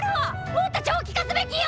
もっと長期化すべきよ！